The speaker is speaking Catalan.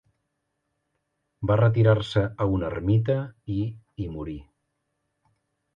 Va retirar-se a una ermita i hi morí.